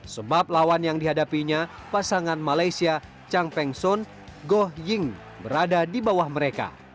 sebab lawan yang dihadapinya pasangan malaysia chang peng son goh ying berada di bawah mereka